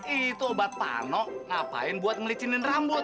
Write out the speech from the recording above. itu obat pano ngapain buat melicinin rambut